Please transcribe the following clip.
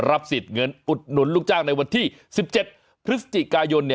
รับสิทธิ์เงินอุดหนุนลูกจ้างในวันที่๑๗พฤศจิกายน